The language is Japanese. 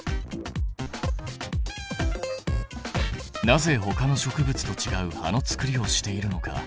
なぜほかの植物とちがう葉のつくりをしているのか。